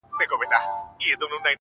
• زړه مي ورېږدېدی ـ